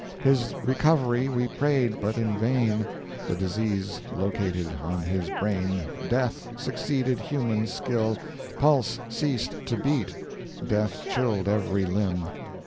His recovery we prayed but in vain, The disease located on his brain, Death succeeded human skill, Pulse ceased to beat, death chilled every limb.